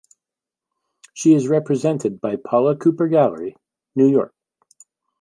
She is represented by Paula Cooper Gallery, New York.